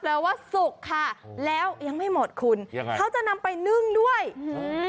ว่าสุกค่ะแล้วยังไม่หมดคุณยังไงเขาจะนำไปนึ่งด้วยอืม